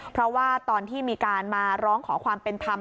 เพราะว่าตอนที่มีการมาร้องขอความเป็นธรรม